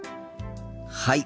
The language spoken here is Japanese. はい。